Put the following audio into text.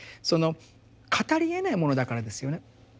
その語りえないものだからですよね。